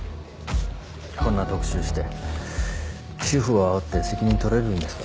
こんな特集して主婦をあおって責任取れるんですか？